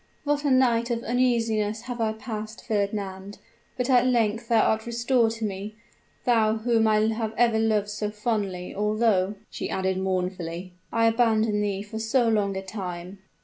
what a night of uneasiness have I passed, Fernand! But at length thou art restored to me thou whom I have ever loved so fondly; although," she added, mournfully, "I abandoned thee for so long a time!"